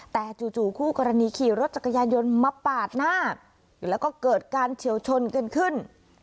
แต่จู่คู่กรณีขี่รถจักรยานยนต์มาปาดหน้าแล้วก็เกิดการเฉียวชนกันขึ้น